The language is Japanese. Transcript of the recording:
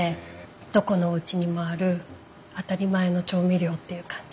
どこのおうちにもある当たり前の調味料っていう感じ。